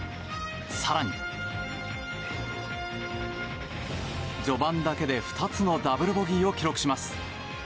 更に、序盤だけで２つのダブルボギーを記録します。